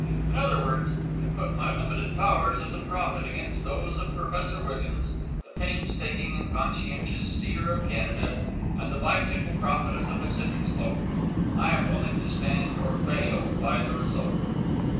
In other words, I put my limited powers as a prophet against those of Professor Wiggins, the painstaking and conscientious seer of Canada, and the bicycle prophet of the Pacific slope. I am willing to stand or fall by the result.